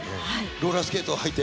ローラースケートをはいて。